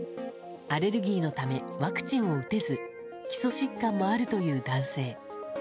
アレルギーのためワクチンを打てず、基礎疾患もあるという男性。